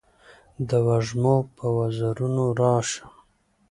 د وږمو په وزرونو راشم